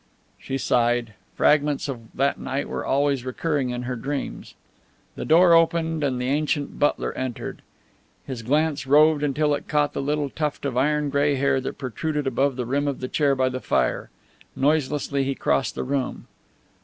She sighed. Fragments of that night were always recurring in her dreams. The door opened and the ancient butler entered. His glance roved until it caught the little tuft of iron gray hair that protruded above the rim of the chair by the fire. Noiselessly he crossed the room.